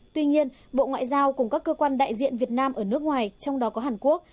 tuy nhiên bộ ngoại giao cùng các cơ quan đại diện việt nam ở nước ngoài trong đó có hàn quốc